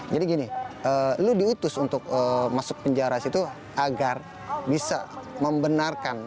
jadi gini lo diutus untuk masuk penjara situ agar bisa membenarkan